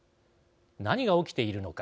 何が起きているのか。